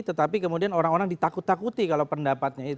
tetapi kemudian orang orang ditakut takuti kalau pendapatnya itu